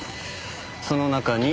その中に。